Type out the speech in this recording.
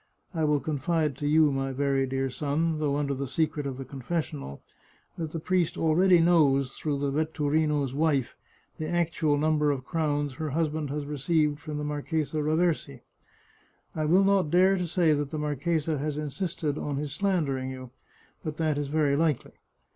I will con fide to you, my very dear son, though under the secret of the confessional, that the priest already knows, through the vetturino's wife, the actual number of crowns her husband has received from the Marchesa Raversi. I will not dare to say that the marchesa has insisted on his slandering you, but that is very likely.